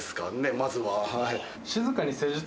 まずは。